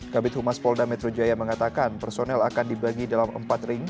kabit humas polda metro jaya mengatakan personel akan dibagi dalam empat ring